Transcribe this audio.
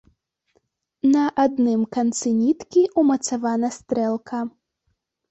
На адным канцы ніткі ўмацавана стрэлка.